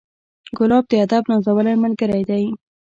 ګلاب د ادب نازولی ملګری دی.